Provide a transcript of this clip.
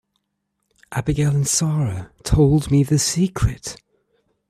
Abigail and Sara told me the secret.